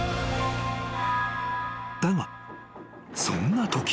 ［だがそんなとき］